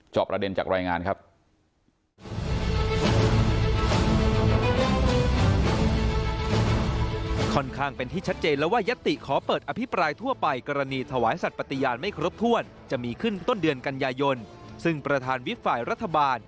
ประเด็นจากรายงานครับ